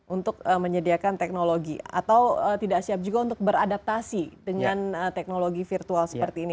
untuk menyediakan teknologi atau tidak siap juga untuk beradaptasi dengan teknologi virtual seperti ini